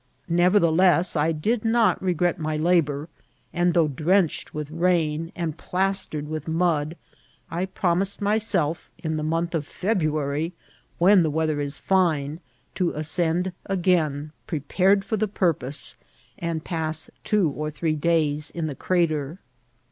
Nevertheless, I did not regret my labour ; and though drenched with rain and plastered with mud, I promised myself in the month of February, when the weather is fine, to ascend again, prepared for the purpose, and pass two or three days in the crater.